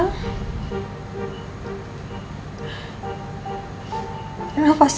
banyak lagi sudah oreg sexual problem